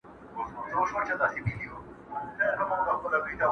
چي قاتل هجوم د خلکو وو لیدلی!.